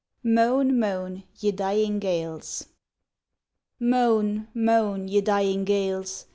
MOAN, MOAN, YE DYING GALES. Moan, moan, ye dying gales!